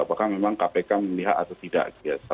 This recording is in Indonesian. apakah memang kpk memilih hak atau tidak